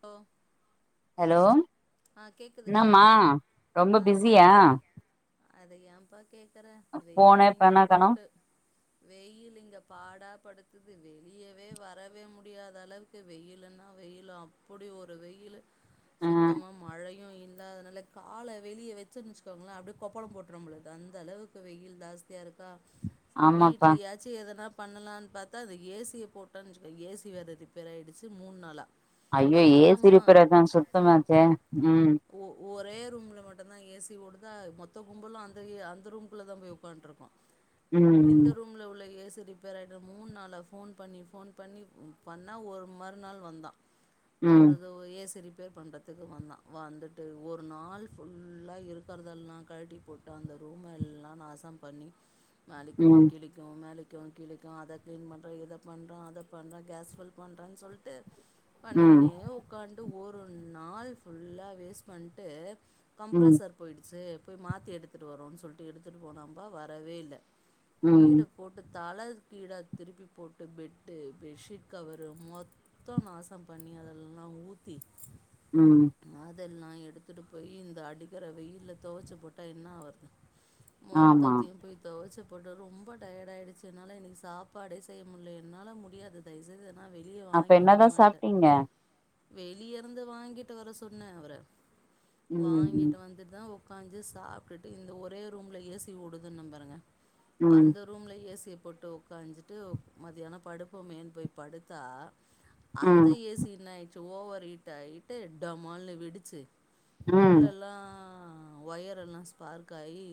போ [inaudible] ஹலோ என்னமா ரொம்ப பிஸியா அது ஏம்ப்பா கேக் க்கற போனே வெயில் இங்க பண்ண காணோ போட்டு வெயில் இங்க பாடா படுத்துது வெளியவே வரவே முடியாத அளவுக்கு வெயிலுனா வெயிலு அப்படி ஒரு வெயிலு ஆ சுத் ல்லாததுனால கால வெளிய வச்சன்னு வச்சுக்கோங்களே அப்டியே கொப்பளோ போட்ரும் போல இருக்கு அந்த அளவுக்கு வெயில் ஜாஸ்தியாக இருக்கா ஆமாப்பா வீட்லயாச்சு எதனா பண்ணலான்னு பாத்தா அது ஏ சி ய போட்டேன்னு வச்சுக்கோ ஏ சி வேற ரிப்பேராயிடுச்சு மூணு நாளா ஐயோ ஏ சி ரிப்பேரா அதா சுத்தமாச்சே ம் ஒ-ஒரே ரூம்ல மட்டும்தா ஏ சி ஓடுத் அதா மொத்த கும்பலு அந்த எ அந்த ரூம்க்குள்ளதா போய் உக்கான்ட்ருப்பா ம் இந்த ரூம்ல உள்ள ஏ சி சி ரிப்பேர் ஆயிட்டு மூணு நாளா ஃபோன் பண்ணி ஃபோன் பண்ணி ம் பண்ணா ஒரு மறுநாள் வந்தா ம் ஒருது ஏ சி ரிப் ப்பேர் பண்றது த்துக்கு வந்தா வந்துட்டு ஒரு நாள் ஃபுல்லா இருக்கிறதெல்லா கழட்டி போட்டு அந்த ரூம எல்லா நாசம் பண்ணி மேலைக்கு ம் கீழைக்கு மேல க்கு கீழைக்கு அத கிளீன் பண்ற இத பண்ற அத பண்ற கேஸ் ஃபில் பண்றன்னு சொல்ட்டு ம் பண்ணிக்கினே உக்காண்ட்டு ஒ [unintelligible] நாள் ஃபுல்லா வேஸ்ட் பண்ட்டு ம் கம்ப்ரசர் போயிடுச்சு போய் மாத்தி எடுத்துட்டு வரோன்னு சொல்ட்டு எடுத்துட்டு போனாம்பா வரவே இல்ல ம் வீடு போட்டு தலகீழா திருப்பி போட்டு பெட்டு பெட்ஷீட் கவரு மொத்தொ நாசம் பண்ணி அதலல்லா ஊத்தி உம் இதெல்லா எடுத்துட்டு போய் இந்த அடிக்கற வெயல்ல தொவச்சு போட்டா என்ன ஆவுறது ஆமா மொத்தத்தையு போய் தொவச்சு போட்டு ரொம்ப டயர்ட் ஆயிடிச்சி என்னால இன்னைக்கி சாப்பாடே செய்ய முடியல என்னால முடியாது தயவுசெய்து எதனா வெளியே அப்ப என்னதா சாப்டீங்க வெளிய இருந்து வாங்கிட்டு வர சொன்னே அவர ம் ம் வாங்கிட்டு வந்துட்டுதா உ உக்காஞ்சி சாப்ட்டுட்டு இந்த ஒரே ரூம்ல ஏ சி ஓடுதுன்னாம் பாருங்க ம் அந்த ரூம்ல ஏ சி யப் போட்டு உக்காஞ்சிட்டு மதியானோ படுப்போமேன்னு போய் படுத்தா அந்த ம் ஏ சி என்னாயிடுச் ஓவரு ட்ட டாமலுனு வெடுச்சு ம் உள்ளெல்லாம் ஹா ஒயர்யெல்லாம் ஸ்பார்க் ஆயி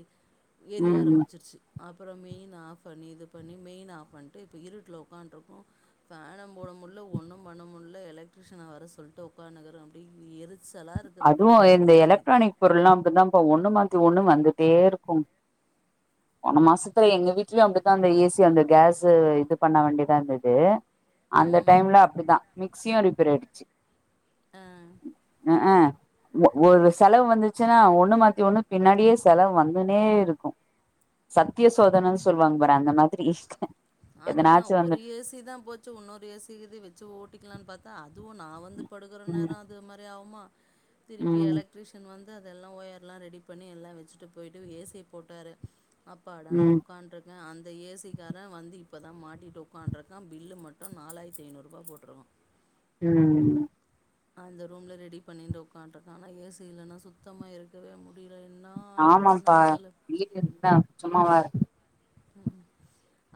ஏறிய ம் ஆரம்பிச்சிருச்சு அப்புறம் மெயின் ஆஃப் பண்ணி இது பண்ணி மெயின் ஆஃப் பண்ணிட்டு இப்போ இருட்டில் உட்காருக்கும்ம் ஃபேனும் போட முடியல ஒன்றும் பண்ணமுடில எலக்ட்ரிஷனை வர சொல்லிட்டு ஒக்காந்து இருக்கிறோம் இப்படி அதுவும் இந்த எலக்ட்ரானிக் பொருள்லாம் அப்படிதான் பா ஒண்ணு மாத் த்தி ஒண்ணு வந்துட்டே இருக்கும் போன மாசத்துல எங்க வீட்லயும் அப்படிதான் ஏசி அந்த கேஸ் இது பண்ண வேண்டியதான் இருந்தது அந்த ம் டைம்ல அப்படிதான் மிக்சியும் ரிப்பேர் ஆயிடுச்சு ஆஹ் ஓ ஒரு செலவு வந்துச்சுன்னா ஒண்ணு மாத்தி ஒண்ணு பின்னாடியே செலவு வந்துனே இருக்கும் சத்திய சோதனைன்னு சொல்லுவாங்க பாரு அந்த மாதிரி அதுதான் எதனாச்சும் வந்து ஒரு ஏசி தான் போச்சு இன்னொரு ஏசிக்கு வச்சு ஓட்டிக்கலனு பார்த்தா அதுவும் நான் வந்து படுகிற உம் நேரம் அது மாரி ஆகுமா திருப்பி உம் எலக்ட்ரீஷியன் வந்து வந்து அதெல்லாம் ஓர்யெலாம் ரெடி பண்ணி எல்லாம் வச்சுட்டு போயிட்டு ஏசிய போட்டாரு அப்பாடான்னு உம் உட்காருக்கேன் அந்த ஏசிக்காரன் வந்து இப்போ தான் மாட்டிட்டு உட்கான்றக்கா பில்லு மட்டும் நாலாயிரத்து ஐநூறு ரூபாய் போட்டுகாம் உம் அந்த ரூம்ல ரெடி பண்ணிட்டு உக்காண்டு இருக்கேன் ஆனா ஏசி இல்லனா சுத்தமா இருக்கவே மு ஆமாப்பா வீட்டு இருந்தான் சும்மாவ உம்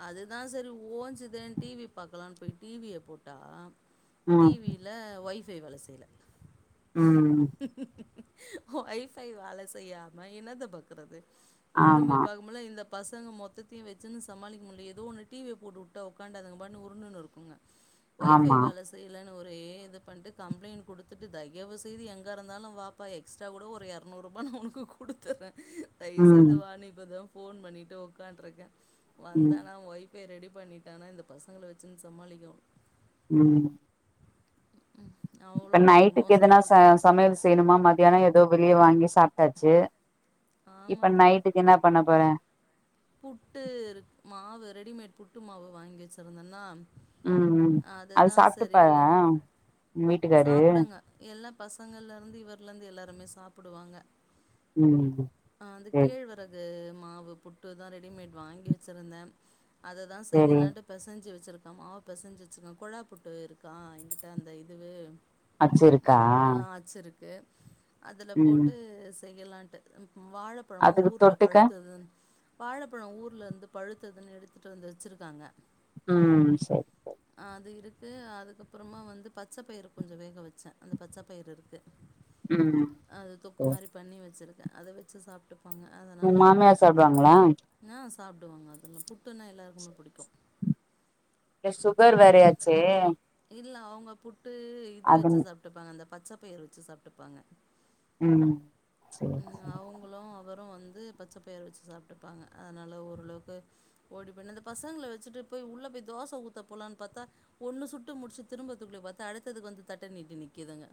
அதுதான் சரி ஓஞ்சுதேனு டிவி பாக்கலாம்னு போய் டிவிய போட்டா உம் டிவில வைஃப் வைஃபை வேல செய்யல உம் [inaudible] வைஃபை வேல செய்யாம என்னத பாக்குறது ஒண்ணுமே ஆமா பாக்க முடில இந்த பசங்க மொத்த த்தையும் வச்சுனு சமாளிக்க முடியல ஏதோ ஒன்னு டிவை போட்டுடா உக்காந்துகுனு அதுங்க பாட்டு உருண்டுட்டு இருக்குங்க வைஃபை ஆமா வேல செய்யல ஒரே இது பண்ட்டு கம்ப்ளைண்ட் குடுத்துட்டு தயவு செய்து எங்க இருந்தாலும் வாப்பா எக்ஸ்ட்ரா கூட ஒரு இரணூருபா உனக்கு குடுத்துறேன் தயவு உம் செய்துவான்னு இப்ப தான் போன் பண்ணிட்டு உக்கா இருக்கேன் உம் வந்தானா வைஃப் போர் ரெடி பண்ணிட்டானா இந்த பசங்கள வச்சுன்னு சமாளிக்கணும் ம் ம் இப்ப அவ்ளோ நைட்டுக்கு எதனா மோசமா ச இருக்கு சமையல் செய்யணுமா மத்தியானம் வெளிய வாங்கி சாப்பட்டாச்சு இப்ப ஆமாப்பா நைட்டுக்கு என்ன பண்ண போறேன் புட்டு இ மாவு ரெடிமேட் புட்டு மாவு வாங்கி வச்சிருந்தேன்னா ம் ம் அது அததுதான் சாப்ட்டு செரி பாரே உங்க வீட்டுக்காரு சாப்படுங்க எல்லா பசங்கள்ல இருந்து இவருலருந்து எல்லாருமே சாப்பி ப்டுவாங்க ம் ம் ஆ அது கேழ்வரகு மாவு புட்டு தான் ரெடிமேட் வாங்கி வச்சிருந்த அதை தான் சேரி செய்யலான்ட்டு பெசஞ்சு வச்சிருக்க அ மாவு பெசைஞ்சிச்சுக்கன் குழா புட்டு இருக்கான் என்கிட்ட அந்த இதுவு அ வச்சுருக்கா [inaudible] அதுல போட்டு செய்யலான்ட்டு வாழைப்பழமோ அதுக்கு ஊர்ல தொட்டுக்க பழுத்தது வாழைப்பழம் ஊர்ல இருந்து பழுத்ததுன்னு எடுத்துட்டு வந்து வச்சிருக்காங்க உம் சரி அது இருக்கு அதுக்கப்புறமா வந்து பச்ச பயிற கொஞ்சம் வேக வச்சேன் அந்த பச்சப்பயிறு இருக்கு ம் அது தொக்கு மாரி பண்ணி வச்சிருக்க அதை வச்சு சாப்பட்டுப் உ மாமியார் சாப்டுவாங்களா சாப்படுவாங்க அதல்லாம் புட்டுன்னா எல்லாருக்குமே பிடிக்கும் இல்ல சுகர் வேறயாச்சே இல்ல அவங்க புட் ட்டு இது அது வச்சு சாப்பட்டுப்பாங்க அந்த பச்ச பயர் வச்சு சாப்பட்டுப்பாங்க ம் செரி -செரி வரும் வந்து பச்ச பயர் வச்சு சாப்பிட்டு இருப்பாங்க அதனால ஓரளவுக்கு ஓடி பண்ணி இந்த பசங்கள வச்சுட்டு போய் உள்ள போய் தோசை ஊத்த போலாம்னு பார்த்தா ஒண்ணு சுட்டு முடிச்சு திரும்பத்துக்குள்ளயே பார்த்தா அடுத்ததுக்கு வந்து தட்ட நீட்டு ந்குதுங்க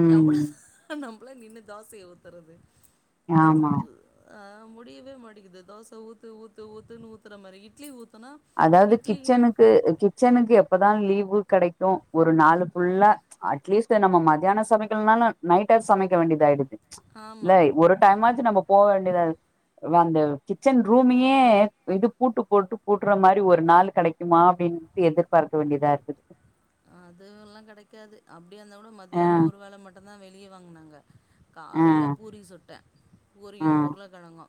ம் எவ்வளவுதா நம்ப நின்று தாசைய [inaudible] தரது ஆமா அஹ் முடியவே மாட்டிங்குது தோச ஊத்து ஊத்து ஊத்துன்னு ஊத்துற மாரி இட்லி ஊத் அதாவது கிச்சனுக்கு கிச்சனுக்கு எப்பதா லீவு கெடைக்கோ ஒரு நாளு ஃபுள்ளா அட்லீஸ்ட் நம்ம மத்தியானோ சமைக்கல்லணாளோ நைட்டாச்சு சமைக்க வேண்டியது ஆயிடுது இல்ல ஆமாம் ஒரு டைம்மாச்சு நம்ம போக வேண்டியதா அதான் அந்த கிச்சன் ரூமையே இது பூட்டு போட்டு கூட்ற மாரி ஒரு நாள் கெடைக்குமா அப்டின்ட்டு எதிர்பார்க்க வேண்டியதாயிருக்குது அதுல்லா கெடைக்காது அப் ப்ரீயா இருந்தா கூடோ ஆ மத்தியானோ ஒரு வேல மட்டோ தா வெளிய வாங்குனாங்க ஆ காலைல பூரி சுட்டே பூரியு ஆ உருள கெழங்கு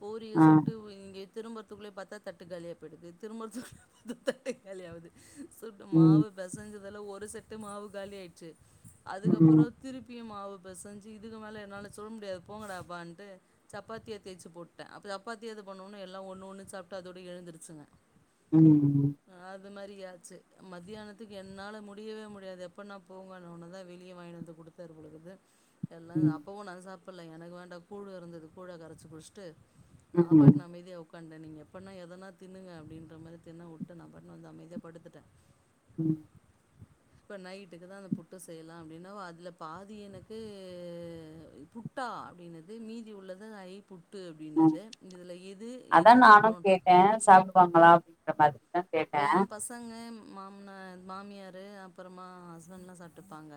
பூரிய ஆ சுட்டு இங்க திரும்புறத்துக்குள்ளயே பாத்தா தட்டு காலியா போயிடுது திரும்புறத்துக்குள்ளயே தட்டு காலியாவுது சுட்டு ம் மாவு செஞ்சதுல ஒரு செட்டு மாவு காலியாயிடுச்சு அதுக்கப்புறோ ம் திருப்பியு மாவு பெசஞ்சு இதுக்கு மேல என்னால சுட முடியாது போங்கடாப்பான்ட்டு சப்பாத்திய தேச்சு போட்டுட்டே அப்ப சப்பாத்திய இது பண்ணவொன்னே எல்லா ஒன்னு ஒன்னு சாப்ட்டு அதோட எழுந்துருச்சுங்க உம் ம் அந்த மாதிரியாச்சு மதியானத் த்துக்கு என்னால முடியவே முடியாது எப்பட்னா போங்கன்னவுட்னதா வெளிய வாங்கினு வந்து குடுத்தாரு போலருக்குது எல்லா ம் அப்பவு நாங்க சாப் புடல்ல எனக்கு வேண்டா கூழ்யிருந்துது கூழ கரச்சி குடிச்சிட்டு நா பாட்னு அமைதியா உக் உக்கான்ட்டே நீங்க எப்பன்னா எதனா தின்னுங்க அப்டின்ற மாரி தின்ன விட்டு நா பாட்டுனு வந்து அமைதியா படுத்துட்டே உம் இப்ப நைட்டுக்குதா அந்த புட்டு செய்லா அப்டின்னா அதுல பாதி எனக்கு புட்டா அப்டின்னுது மீதி உள்ளது ஐ புட்டு ம் அப்டின்னுது இதுல இது அதா என்ன நானு சொல்லோன்ற கேட்டே சாப்டுவாங்களா [unintelligible] ஏன் பசங்க மாமனார் மாமியாரு அப்புறமா ஹஸ்பண்ட்லா சாப்ட்டுப்பாங்க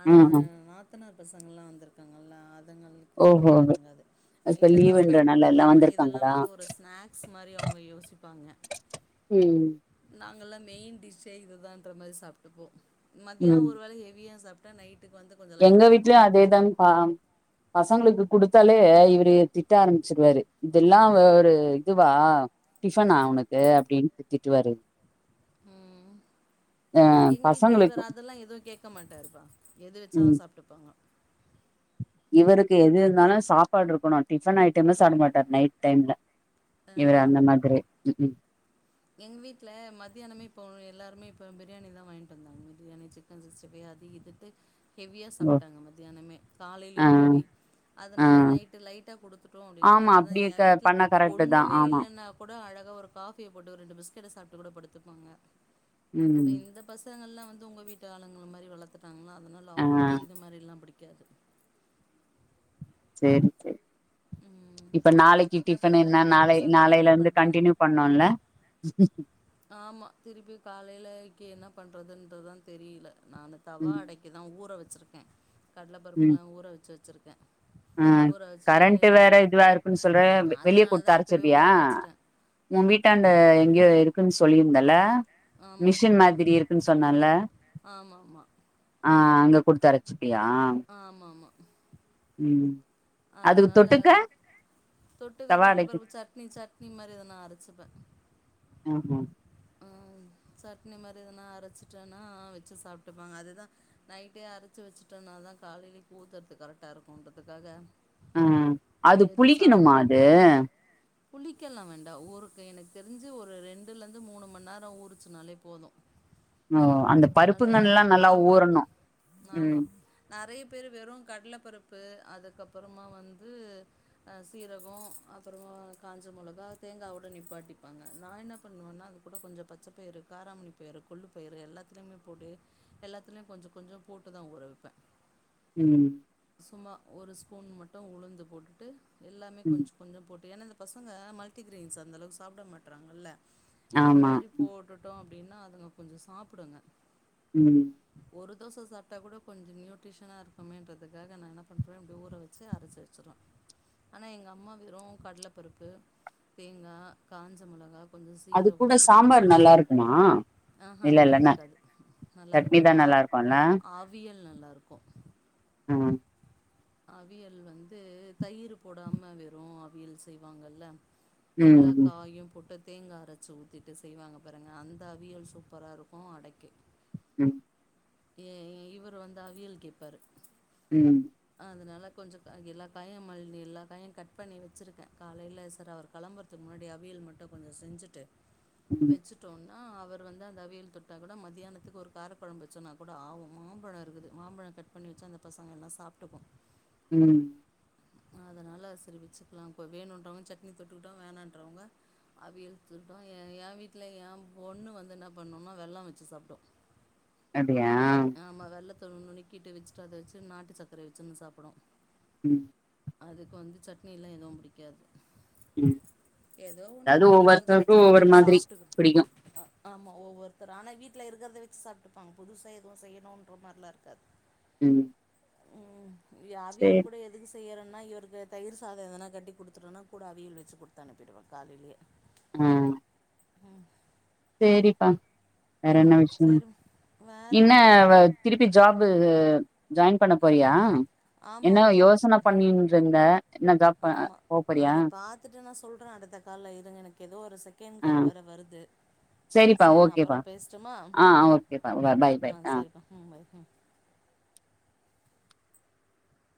ஆனா ம் எங்க நாத்தனார் பசங்கல்லா வந்திருக்காங்கல்ல அதுங்களுகெல்லா ஓஹோ வந்து எறங்காது இப்ப இதெல்லா வந்து லீவுன்றனால எல்லா ஆமா இதெல்லா வந்திருக்காங்களா வந்து ஒரு ஸ்நாக்ஸ் மாரி அவங்க யோசிப்பாங்க ம் நாங்கெல்லா மெயின் டிஷ்ஷே இதுதான்ற மாரி சாப்டுக்குவோ மத்தியானோ ம் ஒரு வேல ஹெவியா சாப் இதா நைட் எங்க வீட்லயு அதேதாங்ப்பா பசங்களுக்கு குடுத் தலே இவரு த் திட்ட ஆரம்பிச்சடுவாரு இதெல்லாம் ஒரு இதுவா டிஃபனா உனக்கு அப்டின்னு திட்டுவாரு உம் எங்க வீட்ல பசங்களுக்கு இவர் அதெல்லாம் எதுவும் கேட்க மாட்டருப்பா எது ம் [unintelligible] சாப்பிட்டுப்பாங்க இவர்க்கு எது இருந்தாலும் சாப்பாடு இருக்கணும் டிஃபன் ஐட்டம்ல சாப்ப மாட்டார் நைட் டைம்ல இவர் அந்த மாதிரி உ உம் எங் வீட்டுல மத்தியானமே இப்போ எல்லாருமே இப்போ பிரியாணி தான் வாங்கிட்டு வந்தாங்க பிரியாணி சிக்கன் சிக்ஸ்டி ஃபைவ் அது இதுட்டு ஹெவியாக ஓ சாப்பிட்டாங்க மத்தியானமே ஆ காலையிலயும் ஹெவி ஆ அதனாலநைட்டு லைட்டா குடுத்துட்டோம் அப்படின்னா ஆமா அப்டி க இல்லானஎன் வீட்டில் பண்ணா கரெக்ட்டு தா ஒன்னுமே ஆமா இல்லைன்னா கூட அழகாக இதோ ஒரு காபி போட்டு ரெண்டு பிஸ்கெட்ட சாப்ட்டு கூட படுத்துப்பாங்க அப்ப ம் இந்த பசங்கள் எல்லாம் வந்து உங்க வீட்டாளுங்கள மாரி வளர்த்துட்டு அதனால ஆ அவங்களுக்கு இது மாரி எல்லாம் புடி கேக்து செரி செரி இப்ப நாளைக்கு டிஃபன் பண்றாங்க என்ன உங்க நாளை பசங்கள்லா நாளையில என்ன இருந்து பண்றாங்க கண்டினியூ பண்ணுல ம்ம் ஆமா திருப்பி காலையிலக்கு என்ன பண்றதுன்றதான் தெரியல நானு தவா ம் அடைக்கு தான் ஊற வேச் கடல பருப்புலாம் ஊற வச்சி வச்சிருக் ஆஹ கரண்ட் வேற இதுவா இருக்குன்னு சொல்ற வெளியே அதனால தான் இப்பவே குடுத்தாரச்சுறுவியா ஊற வச்சுட்டேன். உன் வீட்டான் எங்கயோ இருக்குன்னு சொல்லியிருந்தல்ல ஆமாப்பா. மிஷன் மாதிரி இருக்குனு சொன்னல ஆமாமா. ஹ அங்க குடுத்தரைச்சுப் ஆமா மா ம் அதுக்கு அதனால தொட்டுக்க தொட்டுக்க கடல தவாடைக்கு பருப்பு சட்னி சட்னி மாதிரி எதனா அற சுப [unintelligible] ம் சட்னி மாரி எதனா அரைச்சிட்டேன்னா வச்சி சாப்பிட்டுப்பாங்க அதுதான் நைட்டே அரைச்சி வச்சுட்டோனா தான் காலைலிக்கு ஊத்தறதுக்கு கரெக்டாக இருக்கும்ன்றதுக்காக ஹ அது புளிக்கணுமா அது புளிக்கல்லாம் வேண்டாம் ஒருக்கு எனக்கு தெரிஞ்சு ஒரு ரெண்டுலந்து இருந்து மூணு மண் நேரம் ஊருச்சனாலே போதும் ஓ அந்த அதை பருப்புங்கல்லா நல்லா ஆமா ஊறணு ஆமா ம் நறைய பேரு வெறும் கடல பருப்பு உப்பு அதுக்கப்பறமா வந்து சீரகம் அப்றம காஞ்ச முளகா தேங்காவொட நிப்பாட்டிப்பாங்க நான் என்ன பண்ணுவேன்னா அது கூட கொஞ்ச பச்சப்பயிறு காராமணி பயிறு கொள்ளு பயிறு எல்லாத்துலைமே போடு எல்லாத்துலைமே கொஞ்ச கொஞ்ச போட்டு தான் ஊறவிப்பே உம் சும்மா ஒரு ஸ்பூன் மட்டும் உளுந்து போட்டுட்டு எல்லாமே ம் கொஞ்சம் கொஞ்சம் போட்டு ஏன்னா பசங்க மல்டிகிரின்ஸ் அந்த அளவுக்கு சாப்ட மாட்டு்றாங்கல இது ஆமா மாரி போடுட்டோம் அப்படின்னா அதுங்க கொஞ்சம் சாப்டுங்க உம் ஒரு தோச சாட்டா கூட கொஞ்சம் நியூட்ரிஷனாக இருக்குமேன்றதுக்காக நான் என்ன பண்றே இப்டி ஊற வச்சி அரச்சி வச்சுறுவே ஆனா எங்கள் அம்மா வெறும் கடலப்பருப்பு தேங்கா காஞ்ச முளகா கொஞ்ச அது கூட சீரகம் இது சாம்பார் நல்லா இருக்குமா ஆஹா நல்லா இல்லல்லன்னா இருக்காது சட்னி தான் நல்லா இருக்ம்ல வியல் நல்லா இருக்கு ஹம் அவியல் வந்து தயிர் போடாம வெறும் அவியல் செய்வாங்கல்ல எல்லா ம் காயும் புட்டுத் தேங்கா அரச்சி ஊத்டு செய்வாங்க பாருங்க அந்த அவியல் சூப்பர இருக்கும் அடைக்க உம் ஏ இவர்ரு வந்து அவியல் கேப்பாரு உம் அதனால கொஞ்ச எல்லா காயும் மழி எல்லா காயும் கட் பண்ணி வச்சருக்கே காலையில சார் அவர் களம்புறதுக்கு முன்னாடி அவியல் மட்டும் கொஞ்ச செஞ்ட்டு ம் வெச்சுடோன் ஹா அவர் வந்து அந்த அவியல் தொட்டா கூட மதியியானத்துக்கு ஒரு காரக்கொழம்பு வச்சோன்னா கூட ஆவும் மாம்பழம் இருகுது மாம்பழ கட் பண்ணி வச்சா அந்த பசங்க எல்லா சாப்ட் டூக்ம் உம் அதனால சிரி வச்சுக்கலாம் இப்ப வேணும்ன்றவங்க சட்னி தொட்டுகுட்டும் வேணன்றறவங்க அவியல் துர்யாய் என்ன் ஏ வீட்ல ஏ பொண்ணு வந்து என்ன பண்ணும்னா வெல்ல வச்சி சாப்டும் ஏம் நுனுக்கிட்டு வச்சுடு அத வச்சி நாட்டு சக்கரை வச்சுருந்து சாப்டும் உம் அதுக்கு வந்து சட்னியில எதுவும் புடிக்காது ம் எதோ ஒண்ணு அதாவது இருக்கறத வச்சத ஒவ்வொருத்தருக்கும் ஒவ்வொரு அதுங மாதிரி பிடிக்கும் சாப்பிட்டுக்க ஆமா ஒவ்வொருத்தறான வீட்ல இருக்றத வச்சி சாப்டுப்பாங்க புதுச எது செய்ணும்ன்ற மாரிலா இருக்காது ம் யா அவியல் சேரி கூட எதுக்கு செய்யறேனா இவருக்கு தயிர் சாதம் எதனா கட்டி குடுத்துறனா கூட அவியல் வச்சி குடுத்தனுப்பிடுவேன் காலையிலயே ஹம் சேரிப்பா வேற என்ன ம் விஷ்யம் சரி வேறு என்ன ஒன்றும் வ இல்லைப்பா திருப்பி ஜாபு ஜாயின் பண்ண போறியா என்ன யோசனை பண்ணின்ற இருந்த என்ன ஜாப் ப ஆமா போ போறியா அது பாத்துட்டு நா சொல்றே அடுத்த கால்ல இருங்க எனக்கு ஏதோ ஒரு செகண்ட் கால் வேர வருது சரிப்பா சரி நான் ஓகேப்பா அப்புறம் பேசட்டுமா ஆ ஓகேப்பா பை பை ஆ சரிப்பா ம் பை ம்